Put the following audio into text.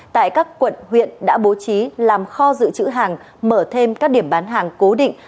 tại các quận huyện đã bố trí làm kho dự trữ hàng mở thêm các điểm bán hàng cố định